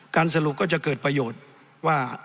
สรุปก็จะเกิดประโยชน์ว่า